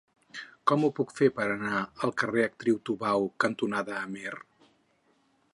Com ho puc fer per anar al carrer Actriu Tubau cantonada Amer?